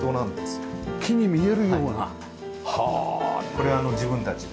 これあの自分たちで。